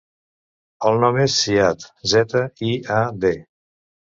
El nom és Ziad: zeta, i, a, de.